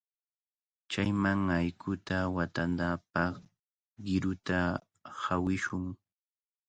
Chayman allquta watanapaq qiruta hawishun.